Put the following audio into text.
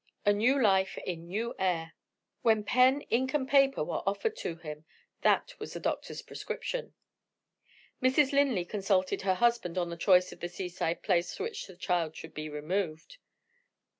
A new life, in new air. When pen, ink, and paper were offered to him, that was the doctor's prescription. Mrs. Linley consulted her husband on the choice of the seaside place to which the child should be removed.